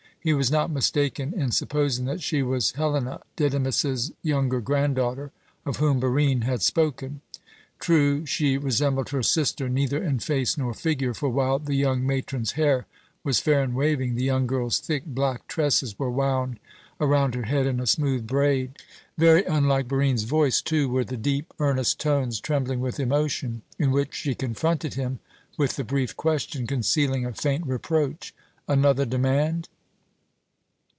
He was not mistaken in supposing that she was Helena, Didymus's younger granddaughter, of whom Barine had spoken. True, she resembled her sister neither in face nor figure, for while the young matron's hair was fair and waving, the young girl's thick black tresses were wound around her head in a smooth braid. Very unlike Barine's voice, too, were the deep, earnest tones trembling with emotion, in which she confronted him with the brief question, concealing a faint reproach, "Another demand?"